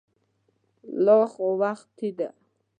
نه لا خو وختي دی.